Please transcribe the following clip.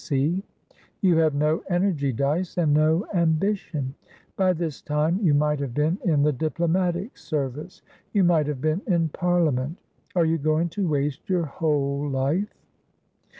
B. C. You have no energy, Dyce, and no ambition. By this time you might have been in the diplomatic service, you might have been in Parliament. Are you going to waste your whole life?"